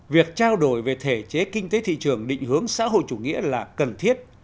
việc trao đổi về thể chế kinh tế thị trường định hướng xã hội chủ nghĩa là cần thiết